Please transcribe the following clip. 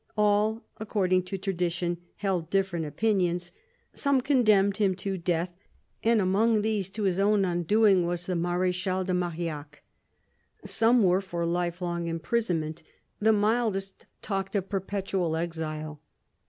All, according to tradition, held different opinions. Some condemned him to death, and among these, to his 207 2o8 CARDINAL DE RICHELIEU own undoing, was the Marechal de Marillac. Some were for lifelong imprisonment ; the mildest talked of perpetual exile.